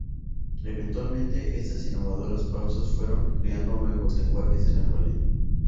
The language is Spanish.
Eventualmente, estas innovadoras pausas fueron creando nuevos lenguajes en el ballet.